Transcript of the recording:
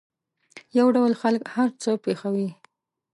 یو ډول خلک هر څه پېښوي.